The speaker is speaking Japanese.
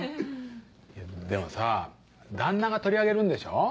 でもさ旦那が取り上げるんでしょ？